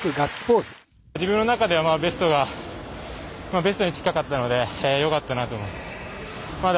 自分の中ではベストに近かったのでよかったなと思います。